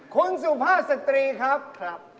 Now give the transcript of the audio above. คุณสุภาพสตรีครับ